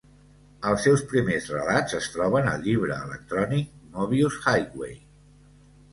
Els seus primers relats es troben al llibre electrònic "Mobius Highway".